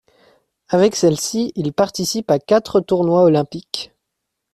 Avec celle-ci, il participe à quatre tournois olympique.